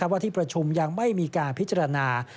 ว่าที่ประชุมยังไม่มีการพิจารณา